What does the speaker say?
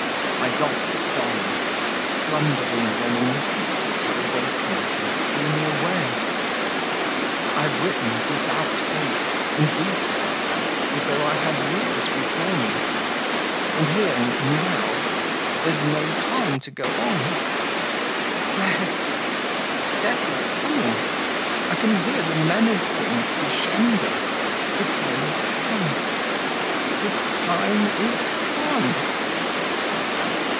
I gossiped on, slumbering reminiscences were awakened and drew me away. I have written, without haste, in detail, as though I had years before me. And here now, there's no time to go on. Death, death is coming. I can hear her menacing crescendo. The time is come ... the time is come!...